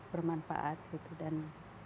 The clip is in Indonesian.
bermanfaat gitu dan